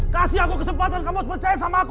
kasih aku kesempatan kamu percaya sama aku kak